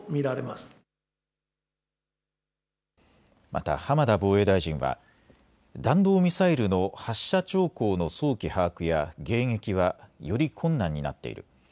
また浜田防衛大臣は弾道ミサイルの発射兆候の早期把握や迎撃はより困難になっている。